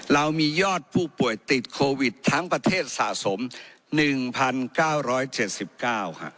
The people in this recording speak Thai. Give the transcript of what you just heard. เรามียอดผู้ป่วยติดโควิดทั้งประเทศสะสม๑๙๗๙ค่ะ